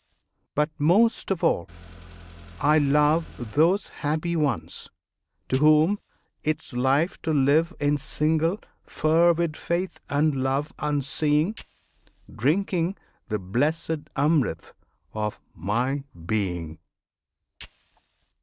But most of all I love Those happy ones to whom 'tis life to live In single fervid faith and love unseeing, Drinking the blessed Amrit of my Being!